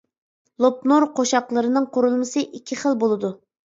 لوپنور قوشاقلىرىنىڭ قۇرۇلمىسى ئىككى خىل بولىدۇ.